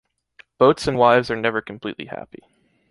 Boats and wives are never completely happy.